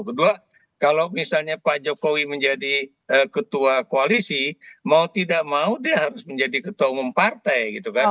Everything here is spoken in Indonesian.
kedua kalau misalnya pak jokowi menjadi ketua koalisi mau tidak mau dia harus menjadi ketua umum partai gitu kan